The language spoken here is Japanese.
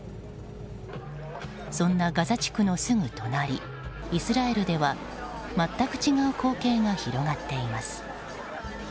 そんなガザ地区のすぐ隣イスラエルでは全く違う光景が広がっています。